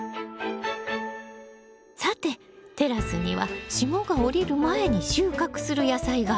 さてテラスには霜が降りる前に収穫する野菜があるわよ。